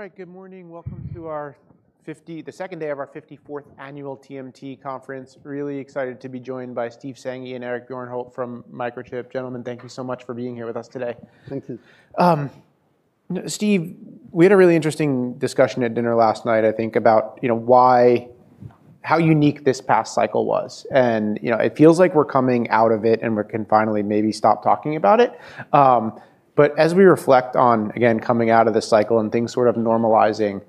All right. Good morning. Welcome to the second day of our 54th annual TMT conference. Really excited to be joined by Steve Sanghi and Eric Bjornholt from Microchip. Gentlemen, thank you so much for being here with us today. Thank you. Steve, we had a really interesting discussion at dinner last night, I think, about how unique this past cycle was. It feels like we're coming out of it, and we can finally maybe stop talking about it. As we reflect on, again, coming out of the cycle and things sort of normalizing,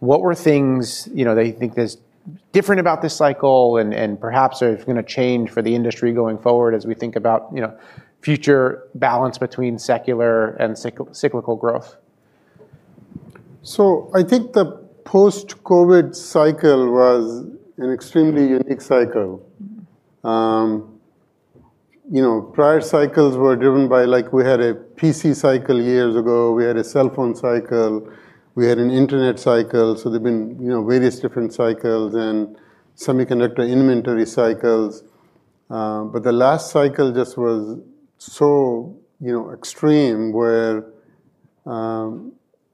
what were things that you think that's different about this cycle and perhaps are going to change for the industry going forward as we think about future balance between secular and cyclical growth? I think the post-COVID cycle was an extremely unique cycle. Prior cycles were driven by, like we had a PC cycle years ago, we had a cell phone cycle, we had an internet cycle. There've been various different cycles and semiconductor inventory cycles. The last cycle just was so extreme, where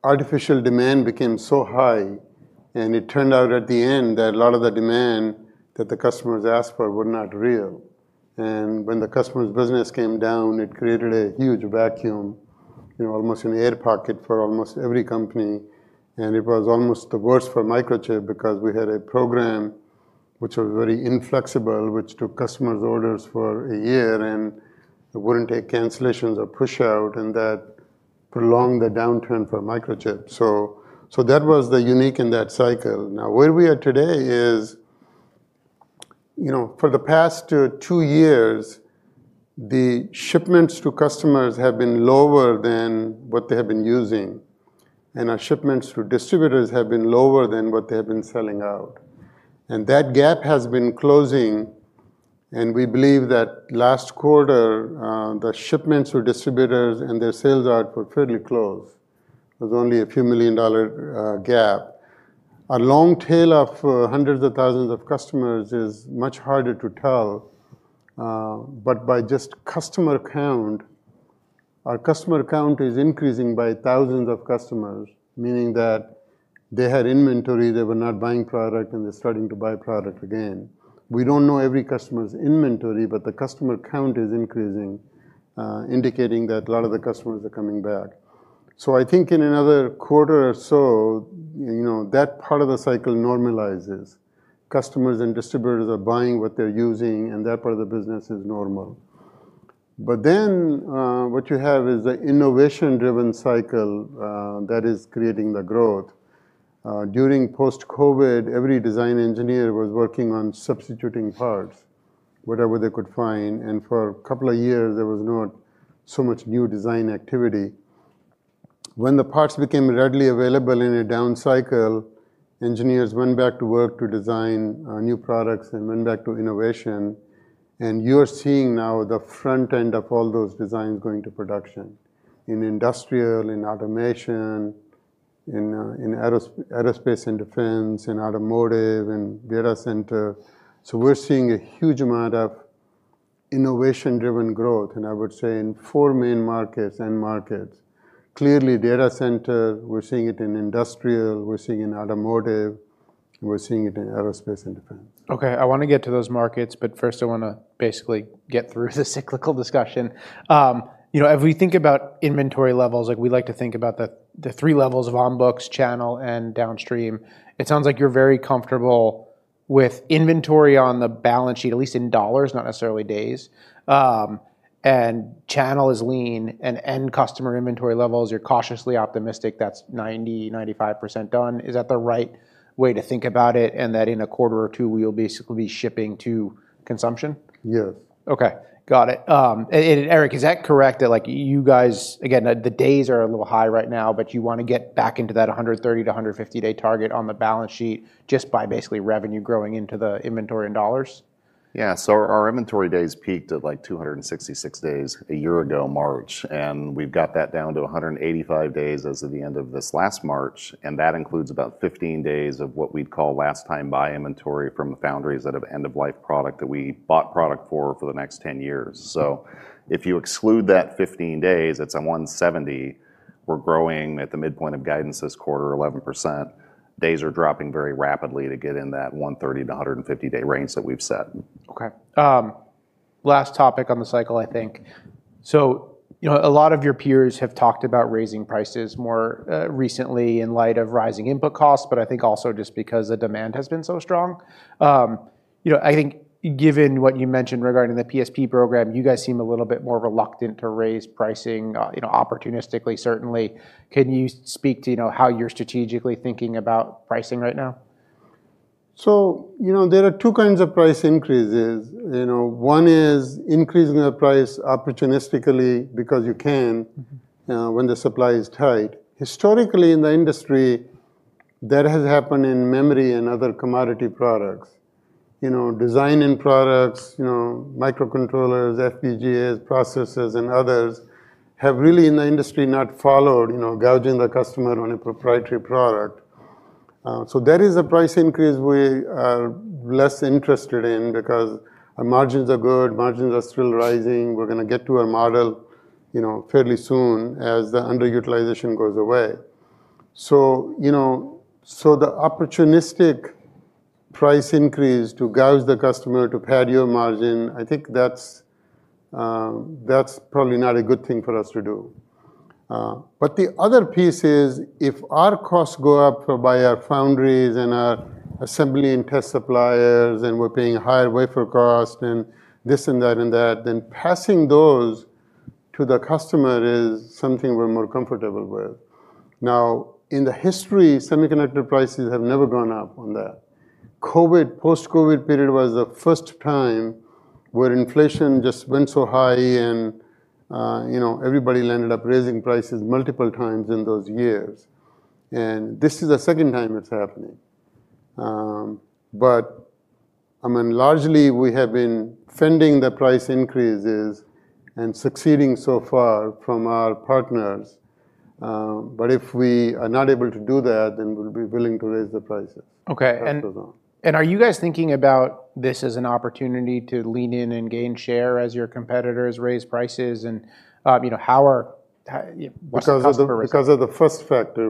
artificial demand became so high, and it turned out at the end that a lot of the demand that the customers asked for were not real. When the customer's business came down, it created a huge vacuum, almost an air pocket for almost every company. It was almost the worst for Microchip because we had a program which was very inflexible, which took customers' orders for a year, and it wouldn't take cancellations or push out, and that prolonged the downturn for Microchip. That was the unique in that cycle. Where we are today is, for the past two years, the shipments to customers have been lower than what they have been using. Our shipments to distributors have been lower than what they have been selling out. That gap has been closing, and we believe that last quarter, the shipments for distributors and their sales out were fairly close. There's only a few million dollar gap. A long tail of hundreds of thousands of customers is much harder to tell. By just customer count, our customer count is increasing by thousands of customers, meaning that they had inventory, they were not buying product, and they're starting to buy product again. We don't know every customer's inventory, the customer count is increasing, indicating that a lot of the customers are coming back. I think in another quarter or so, that part of the cycle normalizes. Customers and distributors are buying what they're using, and that part of the business is normal. What you have is the innovation-driven cycle that is creating the growth. During post-COVID, every design engineer was working on substituting parts, whatever they could find, and for a couple of years, there was not so much new design activity. When the parts became readily available in a down cycle, engineers went back to work to design new products and went back to innovation. You're seeing now the front end of all those designs going to production. In industrial, in automation, in aerospace and defense, in automotive and data center. We're seeing a huge amount of innovation-driven growth, and I would say in four main markets, end markets. Clearly, data center, we're seeing it in industrial, we're seeing in automotive, we're seeing it in aerospace and defense. I want to get to those markets, first I want to basically get through the cyclical discussion. If we think about inventory levels, we like to think about the three levels of on-books, channel, and downstream. It sounds like you're very comfortable with inventory on the balance sheet, at least in dollars, not necessarily days. Channel is lean and end customer inventory levels, you're cautiously optimistic that's 90%-95% done. Is that the right way to think about it, and that in a quarter or two, we'll basically be shipping to consumption? Yes. Okay. Got it. Eric, is that correct? That you guys, again, the days are a little high right now, but you want to get back into that 130 to 150-day target on the balance sheet just by basically revenue growing into the inventory in dollars? Yeah, our inventory days peaked at 266 days a year ago March. We've got that down to 185 days as of the end of this last March. That includes about 15 days of what we'd call last-time buy inventory from the foundries that have end-of-life product that we bought product for the next 10 years. If you exclude that 15 days, it's a 170. We're growing at the midpoint of guidance this quarter, 11%. Days are dropping very rapidly to get in that 130 to 150-day range that we've set. Okay. Last topic on the cycle, I think. A lot of your peers have talked about raising prices more recently in light of rising input costs, I think also just because the demand has been so strong. I think given what you mentioned regarding the PSP program, you guys seem a little bit more reluctant to raise pricing opportunistically, certainly. Can you speak to how you're strategically thinking about pricing right now? There are two kinds of price increases. One is increasing the price opportunistically because you can- when the supply is tight. Historically, in the industry, that has happened in memory and other commodity products. Design-in products, microcontrollers, FPGAs, processors, and others have really, in the industry, not followed gouging the customer on a proprietary product. That is a price increase we are less interested in because our margins are good, margins are still rising. We're going to get to a model fairly soon as the underutilization goes away. The opportunistic price increase to gouge the customer to pad your margin, I think that's probably not a good thing for us to do. The other piece is, if our costs go up by our foundries and our assembly and test suppliers, and we're paying higher wafer cost and this and that and that, then passing those to the customer is something we're more comfortable with. In the history, semiconductor prices have never gone up on that. Post-COVID period was the first time where inflation just went so high and everybody landed up raising prices multiple times in those years. This is the second time it's happening. Largely, we have been fending the price increases and succeeding so far from our partners. If we are not able to do that, then we'll be willing to raise the prices. Okay. As per now. Are you guys thinking about this as an opportunity to lean in and gain share as your competitors raise prices and what's the customer risk? Because of the first factor.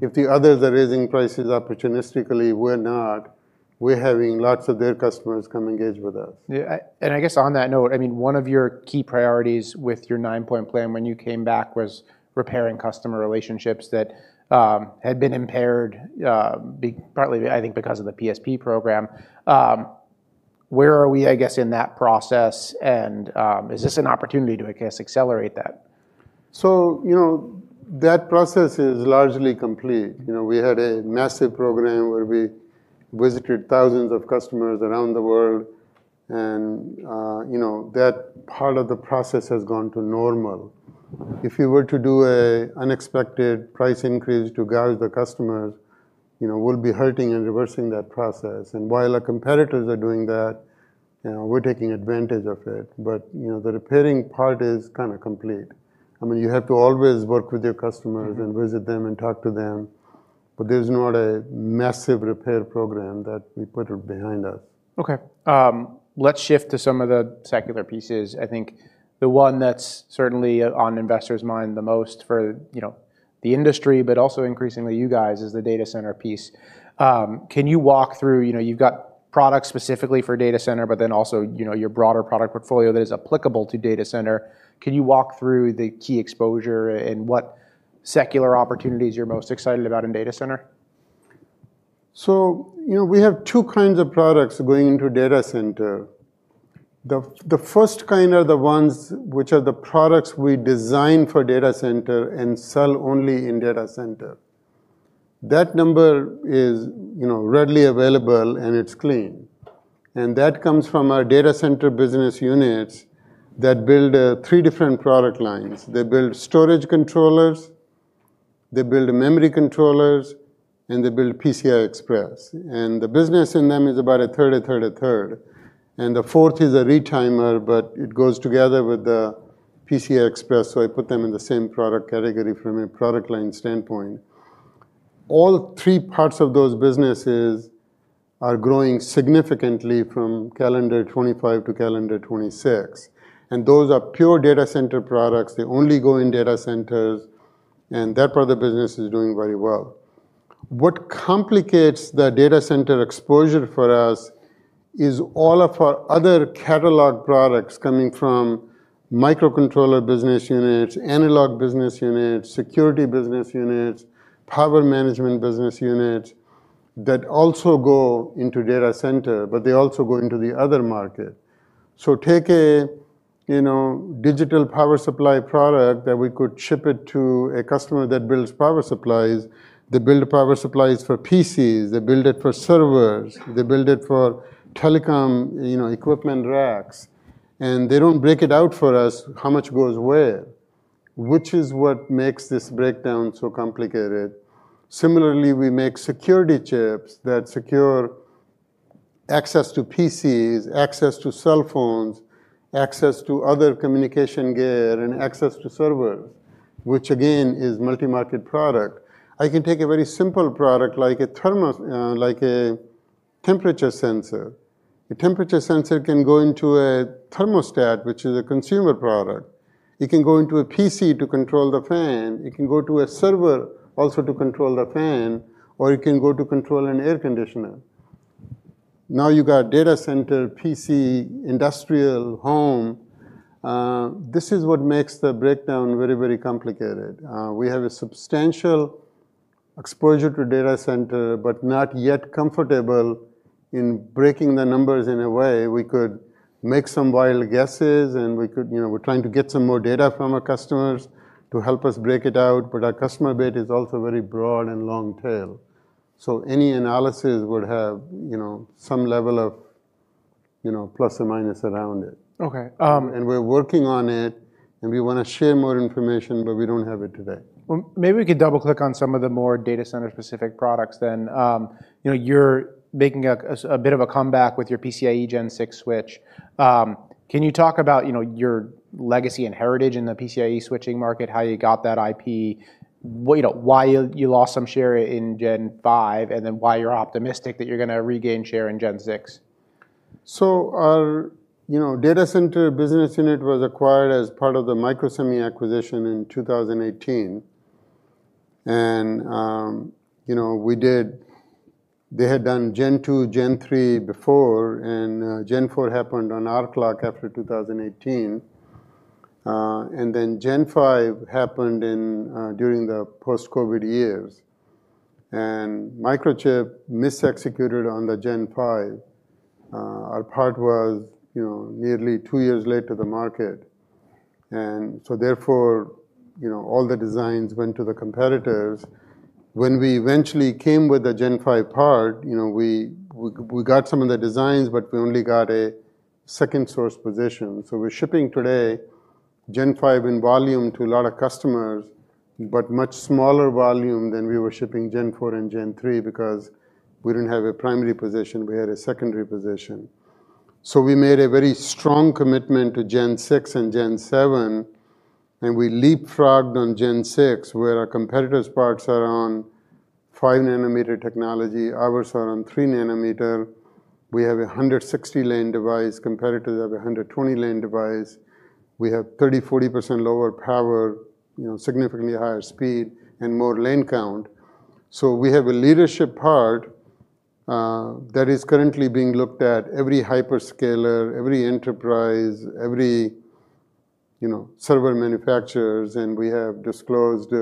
If the others are raising prices opportunistically, we're not, we're having lots of their customers come engage with us. Yeah. I guess on that note, one of your key priorities with your Nine-Point Plan when you came back was repairing customer relationships that had been impaired, partly, I think, because of the PSP program. Where are we, I guess, in that process and is this an opportunity to, I guess, accelerate that? That process is largely complete. We had a massive program where we visited thousands of customers around the world and that part of the process has gone to normal. If you were to do an unexpected price increase to gauge the customers, we'll be hurting and reversing that process. While our competitors are doing that, we're taking advantage of it. The repairing part is kind of complete. You have to always work with your customers and visit them and talk to them, but there's not a massive repair program that we put behind us. Okay. Let's shift to some of the secular pieces. I think the one that's certainly on investors' mind the most for the industry, but also increasingly you guys, is the data center piece. Can you walk through, you've got products specifically for data center, but then also, your broader product portfolio that is applicable to data center. Can you walk through the key exposure and what secular opportunities you're most excited about in data center? We have two kinds of products going into data center. The first kind are the ones which are the products we design for data center and sell only in data center. That number is readily available, and it's clean. That comes from our data center business units that build three different product lines. They build storage controllers, they build memory controllers, and they build PCI Express. The business in them is about a third, a third, a third. The fourth is a retimer, but it goes together with the PCI Express, I put them in the same product category from a product line standpoint. All three parts of those businesses are growing significantly from calendar 2025 to calendar 2026. Those are pure data center products. They only go in data centers, and that part of the business is doing very well. What complicates the data center exposure for us is all of our other catalog products coming from microcontroller business units, analog business units, security business units, power management business units, that also go into data center, but they also go into the other market. Take a digital power supply product that we could ship it to a customer that builds power supplies. They build power supplies for PCs, they build it for servers, they build it for telecom equipment racks. They don't break it out for us how much goes where, which is what makes this breakdown so complicated. Similarly, we make security chips that secure access to PCs, access to cell phones, access to other communication gear, and access to servers, which again, is multi-market product. I can take a very simple product like a temperature sensor. A temperature sensor can go into a thermostat, which is a consumer product. It can go into a PC to control the fan. It can go to a server also to control the fan, or it can go to control an air conditioner. You got data center, PC, industrial, home. This is what makes the breakdown very complicated. We have a substantial exposure to data center, but not yet comfortable in breaking the numbers in a way. We could make some wild guesses and we're trying to get some more data from our customers to help us break it out, but our customer base is also very broad and long tail. Any analysis would have some level of plus or minus around it. Okay. We're working on it, and we want to share more information, but we don't have it today. Well, maybe we could double-click on some of the more data center specific products then. You're making a bit of a comeback with your PCIe Gen 6 switch. Can you talk about your legacy and heritage in the PCIe switching market, how you got that IP, why you lost some share in Gen 5, and then why you're optimistic that you're going to regain share in Gen 6? Our data center business unit was acquired as part of the Microsemi acquisition in 2018. They had done Gen 2, Gen 3 before, and Gen 4 happened on our clock after 2018. Gen 5 happened during the post-COVID years. Microchip misexecuted on the Gen 5. Our part was nearly two years late to the market. Therefore, all the designs went to the competitors. When we eventually came with the Gen 5 part, we got some of the designs, but we only got a second source position. We're shipping today, Gen 5 in volume to a lot of customers, but much smaller volume than we were shipping Gen 4 and Gen 3 because we didn't have a primary position, we had a secondary position. We made a very strong commitment to Gen 6 and Gen 7, and we leapfrogged on Gen 6, where our competitors' parts are on 5nm technology, ours are on 3 nm. We have 160-lane device, competitors have 120-lane device. We have 30%-40% lower power, significantly higher speed, and more lane count. We have a leadership part that is currently being looked at every hyperscaler, every enterprise, every server manufacturers, and we have disclosed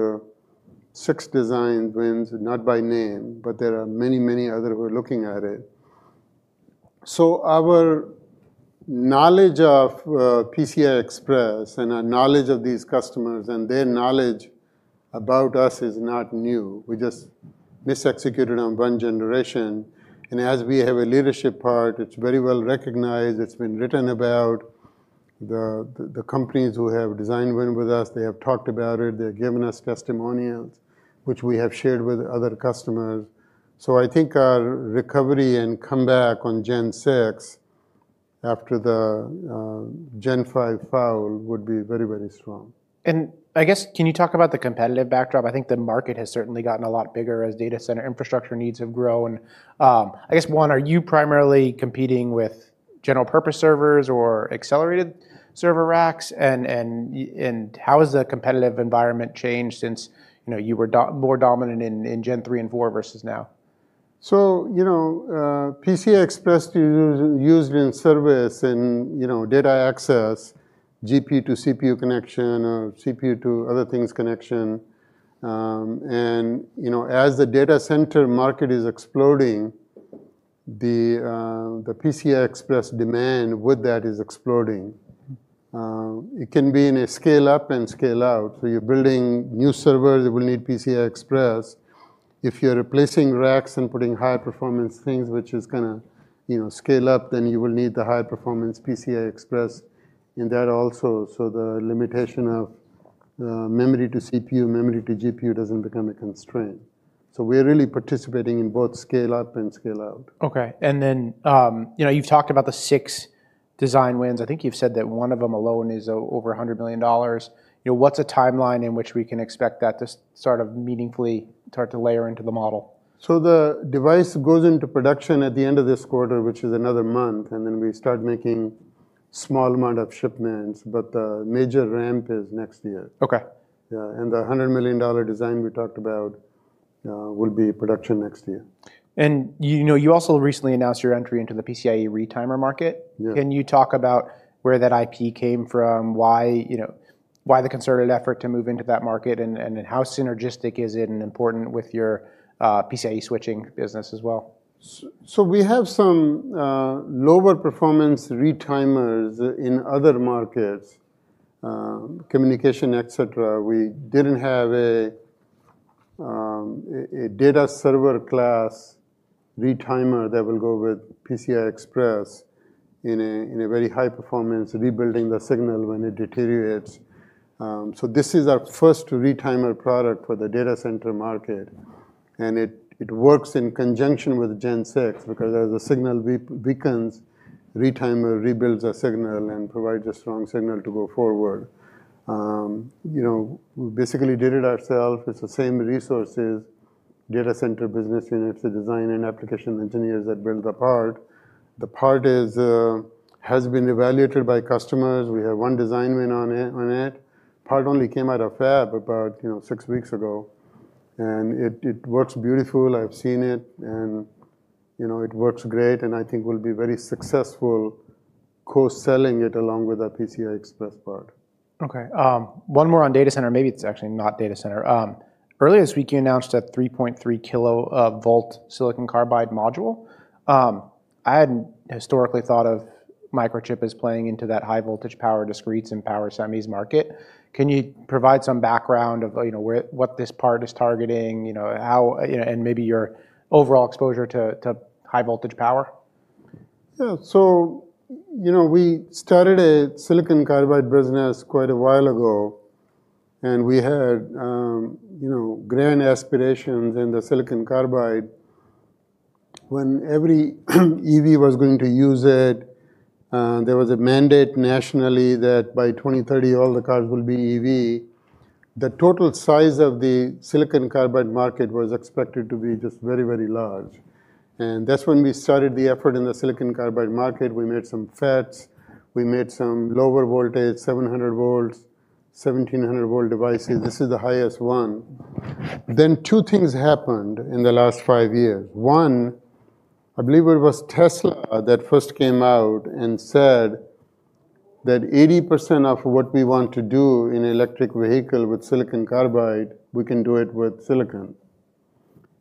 six design wins, not by name, but there are many other who are looking at it. Our knowledge of PCI Express and our knowledge of these customers and their knowledge about us is not new. We just misexecuted on one generation. As we have a leadership part, it's very well-recognized. It's been written about. The companies who have design win with us, they have talked about it. They've given us testimonials, which we have shared with other customers. I think our recovery and comeback on Gen 6 after the Gen 5 foul would be very strong. I guess, can you talk about the competitive backdrop? I think the market has certainly gotten a lot bigger as data center infrastructure needs have grown. I guess, one, are you primarily competing with general purpose servers or accelerated server racks? How has the competitive environment changed since you were more dominant in Gen 3 and Gen 4 versus now? PCI Express used in service and data access, GPU to CPU connection or CPU to other things connection. As the data center market is exploding, the PCI Express demand with that is exploding. It can be in a scale up and scale out. You're building new servers that will need PCI Express. If you're replacing racks and putting high performance things, which is going to scale up, then you will need the high performance PCI Express in that also. The limitation of memory to CPU, memory to GPU doesn't become a constraint. We're really participating in both scale up and scale out. Okay. You've talked about the six design wins. I think you've said that one of them alone is over $100 million. What's a timeline in which we can expect that to sort of meaningfully start to layer into the model? The device goes into production at the end of this quarter, which is another month, and then we start making small amount of shipments, but the major ramp is next year. Okay. Yeah. The $100 million design we talked about will be production next year. You also recently announced your entry into the PCIe retimer market. Yeah. Can you talk about where that IP came from? Why the concerted effort to move into that market, and how synergistic is it and important with your PCIe switching business as well? We have some lower performance retimers in other markets, communication, et cetera. We didn't have a data server class retimer that will go with PCI Express in a very high performance, rebuilding the signal when it deteriorates. This is our first retimer product for the data center market, and it works in conjunction with Gen 6 because as the signal weakens, retimer rebuilds a signal and provides a strong signal to go forward. We basically did it ourself. It's the same resources, data center business units, the design and application engineers that build the part. The part has been evaluated by customers. We have one design win on it. Part only came out of fab about six weeks ago, and it works beautiful. I've seen it and it works great, and I think we'll be very successful co-selling it along with our PCI Express part. Okay. One more on data center. Maybe it's actually not data center. Earlier this week, you announced a 3.3 kV silicon carbide module. I hadn't historically thought of Microchip as playing into that high voltage power discretes and power semis market. Can you provide some background of what this part is targeting, and maybe your overall exposure to high voltage power? We started a silicon carbide business quite a while ago, we had grand aspirations in the silicon carbide. When every EV was going to use it, there was a mandate nationally that by 2030, all the cars will be EV. The total size of the silicon carbide market was expected to be just very large. That's when we started the effort in the silicon carbide market. We made some FETs, we made some lower voltage, 700 V, 1,700 V devices. This is the highest one. Two things happened in the last five years. One, I believe it was Tesla that first came out and said that 80% of what we want to do in electric vehicle with silicon carbide, we can do it with silicon.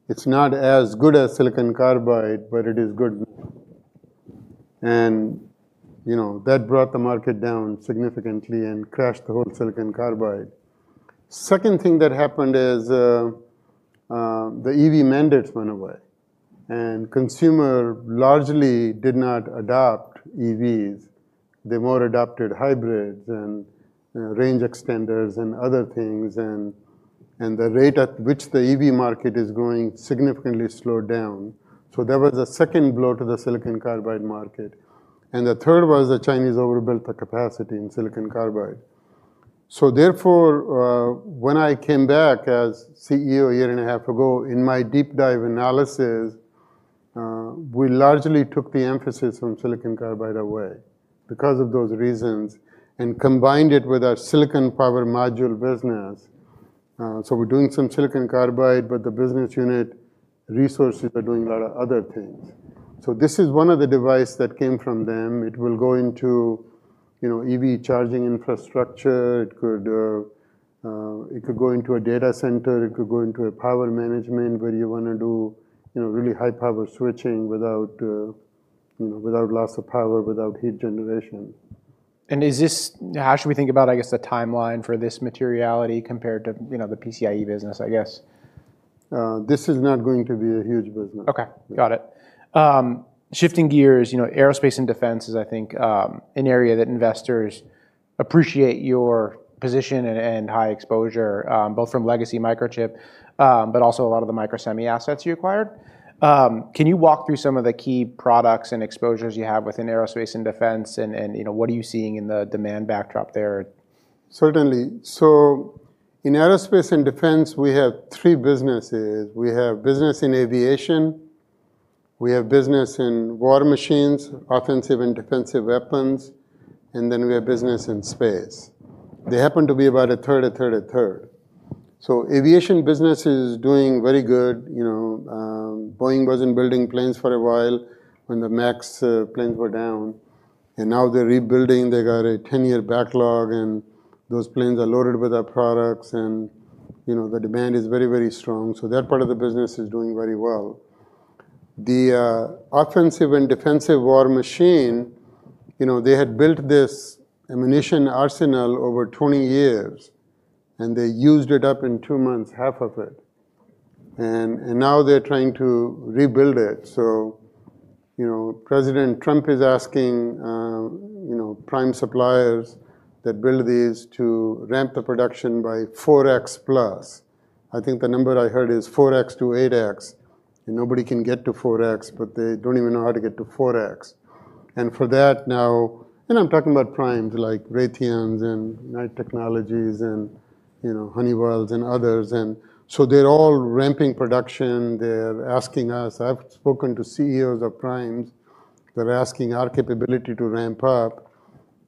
It's not as good as silicon carbide, but it is good. That brought the market down significantly and crashed the whole silicon carbide. Second thing that happened is, the EV mandate went away and consumer largely did not adopt EVs. They more adopted hybrids and range extenders and other things, and the rate at which the EV market is growing significantly slowed down. That was the second blow to the silicon carbide market. The third was the Chinese overbuilt the capacity in silicon carbide. Therefore, when I came back as CEO a year and a half ago, in my deep dive analysis, we largely took the emphasis on silicon carbide away because of those reasons and combined it with our silicon power module business. We're doing some silicon carbide, but the business unit resources are doing a lot of other things. This is one of the device that came from them. It will go into EV charging infrastructure. It could go into a data center. It could go into a power management where you want to do really high power switching without loss of power, without heat generation. How should we think about, I guess, the timeline for this materiality compared to the PCIe business, I guess? This is not going to be a huge business. Okay. Got it. Shifting gears, Aerospace and Defense is, I think, an area that investors appreciate your position and high exposure, both from legacy Microchip, but also a lot of the Microsemi assets you acquired. Can you walk through some of the key products and exposures you have within Aerospace and Defense, and what are you seeing in the demand backdrop there? Certainly. In aerospace and defense, we have three businesses. We have business in Aviation, we have business in war machines, offensive and defensive weapons, and then we have business in space. They happen to be about a third, a third, a third. Aviation business is doing very good. Boeing wasn't building planes for a while when the MAX planes were down, and now they're rebuilding. They got a 10-year backlog, and those planes are loaded with our products and the demand is very strong. That part of the business is doing very well. The offensive and defensive war machine, they had built this ammunition arsenal over 20 years, and they used it up in two months, half of it. Now they're trying to rebuild it. President Trump is asking prime suppliers that build these to ramp the production by 4X+. I think the number I heard is 4X-8X, and nobody can get to 4X, but they don't even know how to get to 4X. For that now, I'm talking about primes like Raytheon and United Technologies and Honeywell and others. They're all ramping production. They're asking us. I've spoken to CEOs of Primes. They're asking our capability to ramp-up.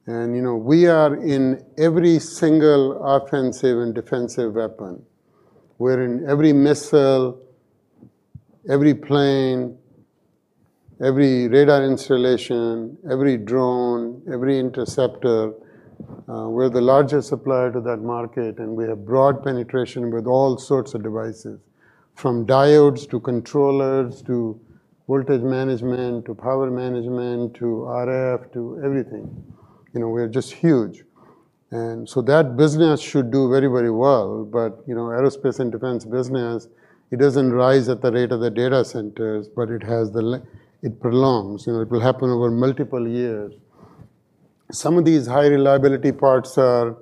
We are in every single offensive and defensive weapon. We're in every missile, every plane, every radar installation, every drone, every interceptor. We're the largest supplier to that market, and we have broad penetration with all sorts of devices, from diodes to controllers, to voltage management, to power management, to RF, to everything. We're just huge. That business should do very well. Aerospace and Defense business, it doesn't rise at the rate of the data centers, but it prolongs. It will happen over multiple years. Some of these high-reliability parts have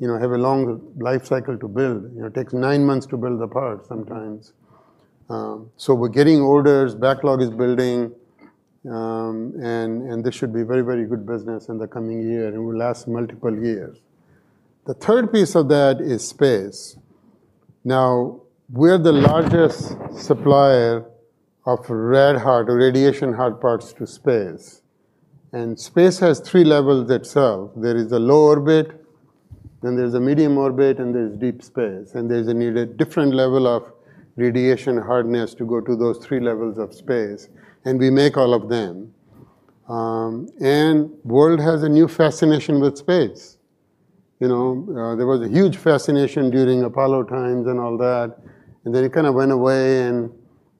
a long life cycle to build. It takes nine months to build the part sometimes. We're getting orders. Backlog is building. This should be very good business in the coming year, and it will last multiple years. The third piece of that is space. Now, we're the largest supplier of rad-hard, radiation-hardened parts to space. Space has three levels itself. There is a low orbit, then there's a medium orbit, and there's deep space. There's a different level of radiation hardness to go to those three levels of space. We make all of them. World has a new fascination with space. There was a huge fascination during Apollo times and all that, and then it kind of went away, and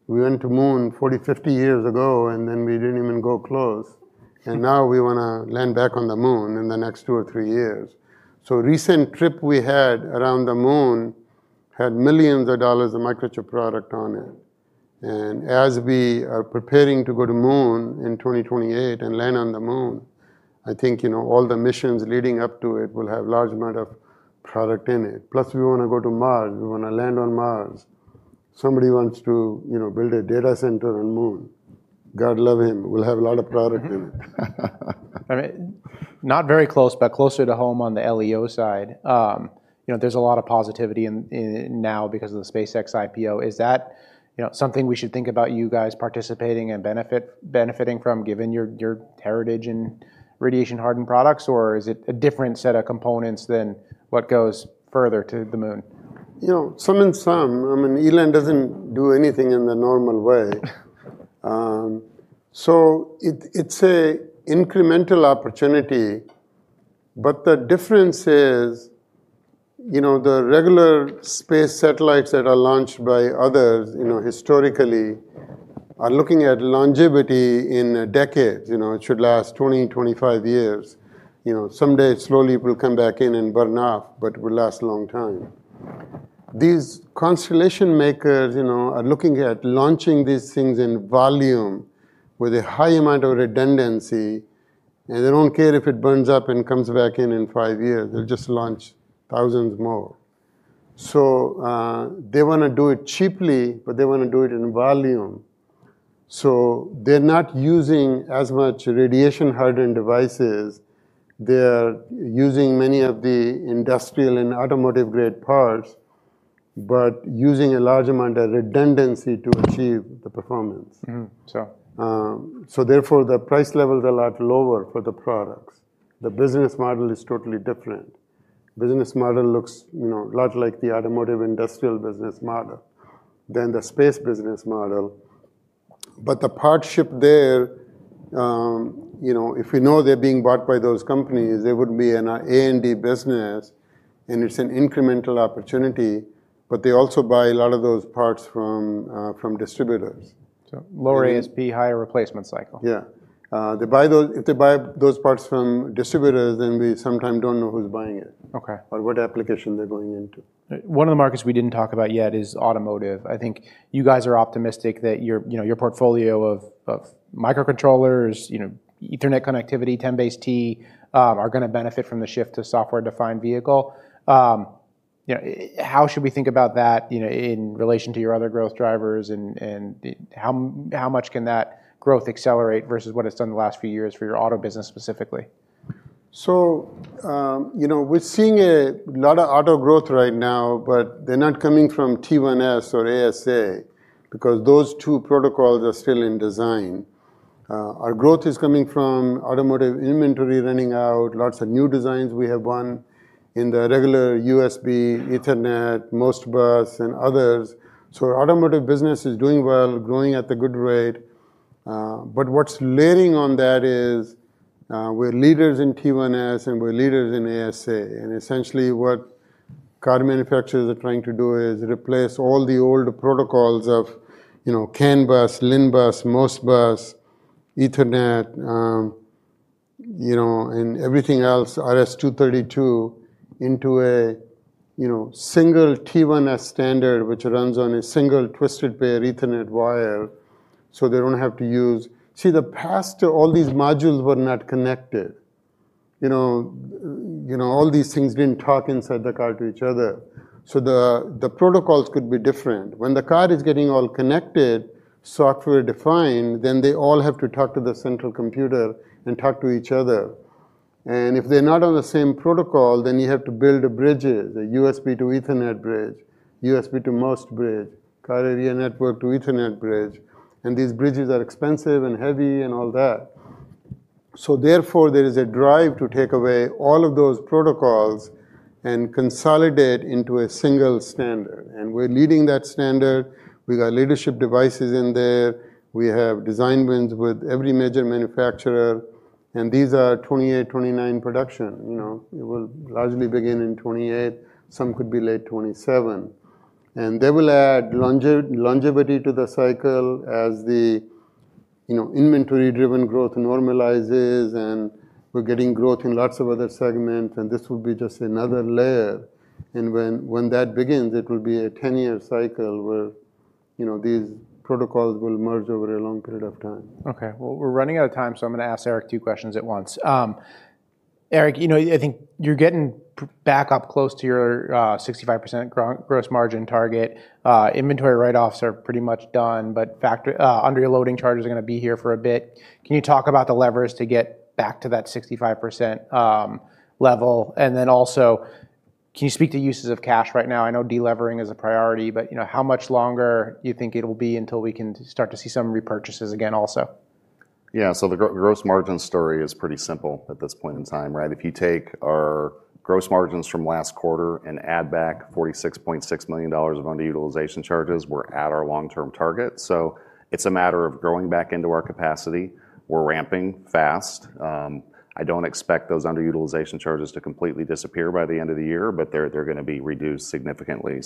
we went to Moon 40-50 years ago, and then we didn't even go close. Now we want to land back on the Moon in the next two or three years. Recent trip we had around the Moon had millions of dollars of Microchip product on it. As we are preparing to go to Moon in 2028 and land on the Moon, I think all the missions leading up to it will have large amount of product in it. Plus, we want to go to Mars. We want to land on Mars. Somebody wants to build a data center on Moon. God love him, we'll have a lot of product in it. Not very close, but closer to home on the LEO side. There's a lot of positivity now because of the SpaceX IPO. Is that something we should think about you guys participating and benefiting from, given your heritage in radiation-hardened products, or is it a different set of components than what goes further to the Moon? Some and some. Elon doesn't do anything in the normal way. It's an incremental opportunity, but the difference is the regular space satellites that are launched by others historically are looking at longevity in decades. It should last 20-25 years. Someday, slowly, it will come back in and burn off, but it will last a long time. These constellation makers are looking at launching these things in volume with a high amount of redundancy, and they don't care if it burns up and comes back in in five years. They'll just launch thousands more. They want to do it cheaply, but they want to do it in volume. They're not using as much radiation-hardened devices. They're using many of the industrial and automotive-grade parts, but using a large amount of redundancy to achieve the performance. Mm-hmm. Sure. Therefore, the price levels are a lot lower for the products. The business model is totally different. Business model looks a lot like the automotive industrial business model than the space business model. The part ship there, if we know they're being bought by those companies, they would be an A&D business, and it's an incremental opportunity, but they also buy a lot of those parts from distributors. Lower ASP, higher replacement cycle. Yeah. If they buy those parts from distributors, then we sometimes don't know who's buying it. Okay or what application they're going into. One of the markets we didn't talk about yet is automotive. I think you guys are optimistic that your portfolio of microcontrollers, Ethernet connectivity, 10BASE-T1S, are going to benefit from the shift to software-defined vehicle. How much can that growth accelerate versus what it's done the last few years for your auto business specifically? We're seeing a lot of auto growth right now, but they're not coming from T1S or ASA, because those two protocols are still in design. Our growth is coming from automotive inventory running out, lots of new designs we have won in the regular USB, Ethernet, MOST bus, and others. What's layering on that is we're leaders in T1S and we're leaders in ASA, and essentially what car manufacturers are trying to do is replace all the old protocols of CAN bus, LIN bus, MOST bus, Ethernet, and everything else, RS-232, into a single T1S standard, which runs on a single twisted pair Ethernet wire. See, the past, all these modules were not connected. All these things didn't talk inside the car to each other. The protocols could be different. When the car is getting all connected, software-defined, then they all have to talk to the central computer and talk to each other. If they're not on the same protocol, then you have to build bridges, a USB to Ethernet bridge, USB to MOST bridge, CAN bus to Ethernet bridge, and these bridges are expensive and heavy and all that. Therefore, there is a drive to take away all of those protocols and consolidate into a single standard, and we're leading that standard. We got leadership devices in there. We have design wins with every major manufacturer, and these are 2028-2029 production. It will largely begin in 2028. Some could be late 2027. They will add longevity to the cycle as the inventory-driven growth normalizes, and we're getting growth in lots of other segments, and this will be just another layer. When that begins, it will be a 10-year cycle where these protocols will merge over a long period of time. Okay. Well, we're running out of time, I'm going to ask Eric two questions at once. Eric, I think you're getting back up close to your 65% gross margin target. Inventory write-offs are pretty much done, underloading charges are going to be here for a bit. Can you talk about the levers to get back to that 65% level? Can you speak to uses of cash right now? I know de-levering is a priority, how much longer you think it'll be until we can start to see some repurchases again also? The gross margin story is pretty simple at this point in time, right? If you take our gross margins from last quarter and add back $46.6 million of underutilization charges, we're at our long-term target. We're ramping fast. I don't expect those underutilization charges to completely disappear by the end of the year, they're going to be reduced significantly.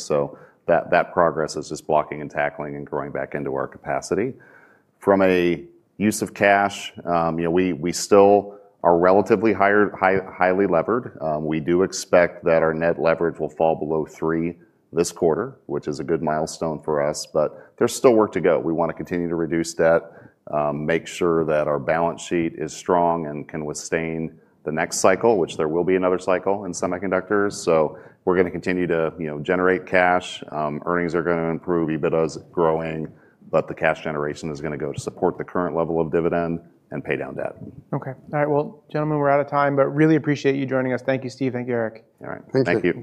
That progress is just blocking and tackling and growing back into our capacity. From a use of cash, we still are relatively highly levered. We do expect that our net leverage will fall below three this quarter, which is a good milestone for us, there's still work to go. We want to continue to reduce debt, make sure that our balance sheet is strong and can withstand the next cycle, which there will be another cycle in semiconductors. We're going to continue to generate cash. Earnings are going to improve. EBITDA is growing, the cash generation is going to go to support the current level of dividend and pay down debt. Okay. All right. Well, gentlemen, we're out of time. Really appreciate you joining us. Thank you, Steve. Thank you, Eric. All right. Thank you.